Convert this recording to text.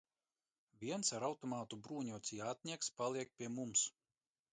Viens ar automātu bruņots jātnieks paliek pie mums.